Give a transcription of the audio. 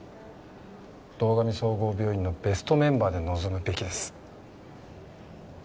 堂上総合病院のベストメンバーで臨むべきです。